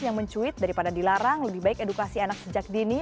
yang mencuit daripada dilarang lebih baik edukasi anak sejak dini